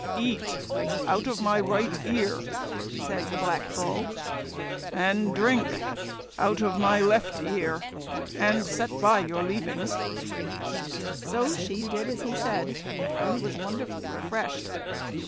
"Eat out of my right ear," says the Black Bull, "and drink out of my left ear, and set by your leaving." So she did as he said, and was wonderfully refreshed.